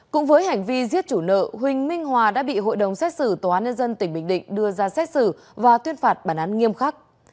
cũng với hành vi giết chủ nợ huỳnh minh hòa đã bị hội đồng xét xử tòa án nhân dân tỉnh bình định đưa ra xét xử và tuyên phạt bản án nghiêm khắc